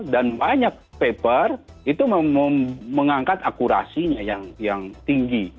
dan banyak paper itu mengangkat akurasinya yang tinggi